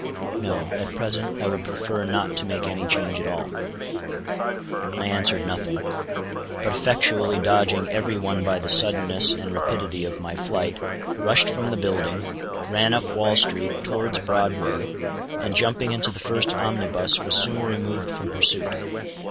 "No: at present I would prefer not to make any change at all." I answered nothing; but effectually dodging every one by the suddenness and rapidity of my flight, rushed from the building, ran up Wall street towards Broadway, and jumping into the first omnibus was soon removed from pursuit.